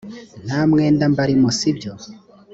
nta mwenda mbarimo sibyo